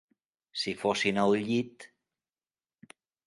Si fossin al llit...